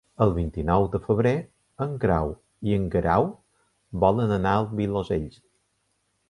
El vint-i-nou de febrer en Grau i en Guerau volen anar al Vilosell.